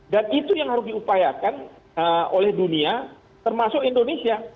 dan itu yang harus diupayakan oleh dunia termasuk indonesia